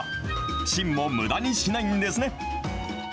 芯もむだにしないんですね。